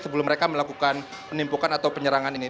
sebelum mereka melakukan penipukan atau penyerangan ini